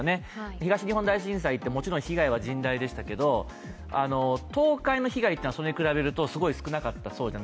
東日本大震災ってもちろん被害は甚大でしたけど、倒壊の被害は、それに比べるとそうではなかったそうです。